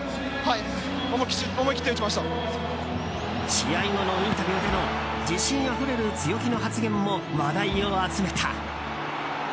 試合後のインタビューでの自信あふれる強気の発言も話題を集めた。